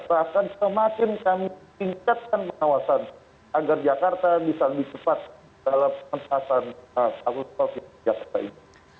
seakan semakin kami tingkatkan pengawasan agar jakarta bisa lebih cepat dalam penyelesaian covid sembilan belas